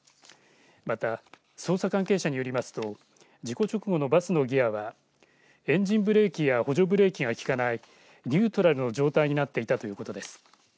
また、捜査関係者によりますと事故直後のバスのギアはエンジンブレーキや補助ブレーキが利かないニュートラルの状態になっていたということです。